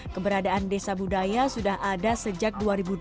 keberadaan desa budaya sudah ada sejak dua ribu delapan